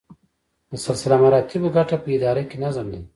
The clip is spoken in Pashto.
د سلسله مراتبو ګټه په اداره کې نظم دی.